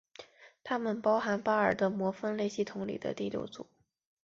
它们包含巴尔的摩分类系统里的第六组。